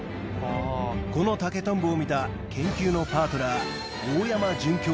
この竹とんぼを見た研究のパートナー